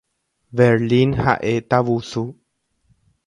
Berlín ha'e tavusu.